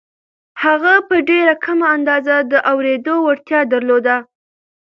هغه په ډېره کمه اندازه د اورېدو وړتيا درلوده.